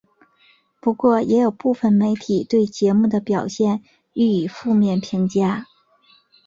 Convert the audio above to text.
不过也有部分媒体对节目的表现予以负面评价。